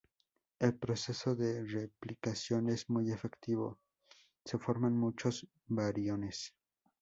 El proceso de replicación es muy efectivo, se forman muchos viriones.